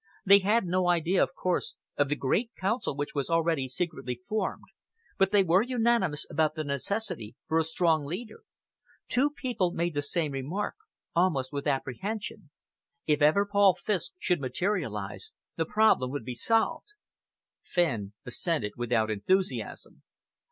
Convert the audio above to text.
They had no idea, of course, of the great Council which was already secretly formed, but they were unanimous about the necessity for a strong leader. Two people made the same remark, almost with apprehension: 'If ever Paul Fiske should materialise, the problem would be solved!'" Fenn assented without enthusiasm.